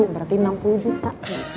berarti enam puluh juta